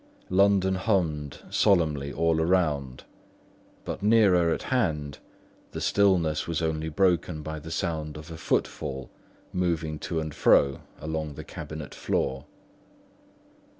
London hummed solemnly all around; but nearer at hand, the stillness was only broken by the sounds of a footfall moving to and fro along the cabinet floor.